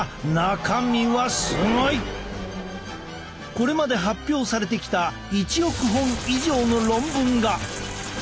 これまで発表されてきた１億本以上の論文が。